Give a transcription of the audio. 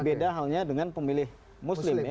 di situ ada keunggulan milih muslim ya